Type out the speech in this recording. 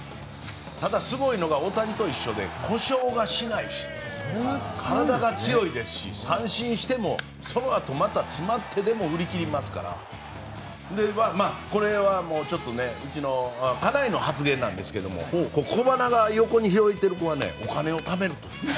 ただ、すごいのが大谷と一緒で故障しないし体が強いですし、三振してもそのあとまた詰まってでも振り切りますからこれはちょっとうちの家内の発言なんですけども小鼻が横に開いている子はお金をためると。